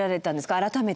改めて。